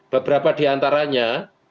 beberapa di antaranya